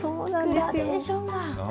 グラデーションが。